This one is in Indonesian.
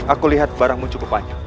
aku lihat barangmu cukup banyak